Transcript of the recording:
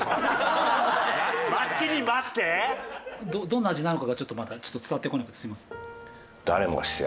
どんな味なのかがちょっとまだちょっと伝わってこないんですみません。